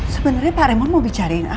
sebenarnya pak remon mau bicara apa ya